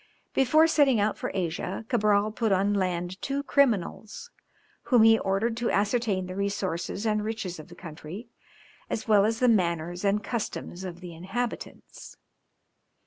Before setting out for Asia, Cabral put on land two criminals, whom he ordered to ascertain the resources and riches of the country, as well as the manners and customs of the inhabitants.